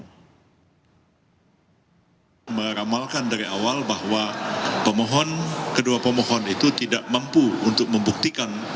saya meramalkan dari awal bahwa pemohon kedua pemohon itu tidak mampu untuk membuktikan